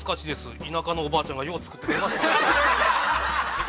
田舎のおばあちゃんが、よう作ってくれました。